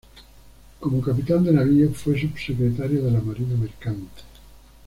Como Capitán de Navío fue subsecretario de la marina mercante.